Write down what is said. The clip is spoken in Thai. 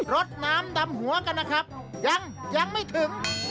รถน้ำดำหัวกันนะครับยังยังไม่ถึง